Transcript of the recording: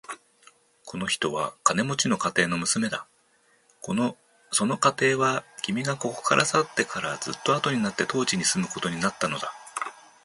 この人は金持の家庭の娘だ。その家庭は、君がここから去ってからずっとあとになって当地に住むことになったのだ。